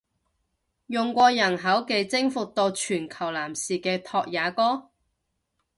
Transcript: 用過人口技征服到全球男士嘅拓也哥！？